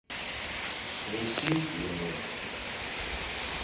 Sukh si ye mewur,